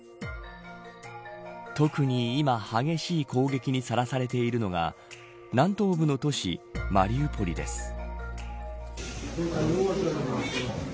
特に今激しい攻撃にさらされているのが南東部の都市マリウポリです。